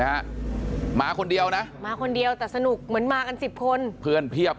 ฮะมาคนเดียวนะมาคนเดียวแต่สนุกเหมือนมากันสิบคนเพื่อนเพียบ